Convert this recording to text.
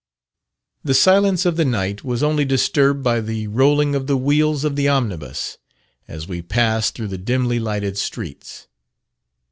The silence of the night was only disturbed by the rolling of the wheels of the omnibus, as we passed through the dimly lighted streets.